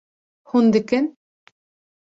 Hûn dikin